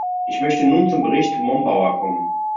Ich möchte nun zum Bericht Mombaur kommen.